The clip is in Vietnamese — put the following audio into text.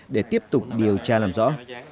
để tiếp tục điều tra làm rõ